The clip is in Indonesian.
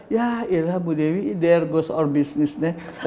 ya iya lah bu dewi there goes our business